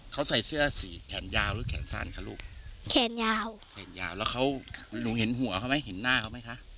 เขาใส่เสื้อสีแขนยาวหรือแขนสั้นคะลูกแขนยาวแขนยาวแล้วเขาหนูเห็นหัวเขาไหมเห็นหน้าเขาไหมคะ